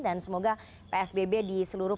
dan semoga psbb di seluruh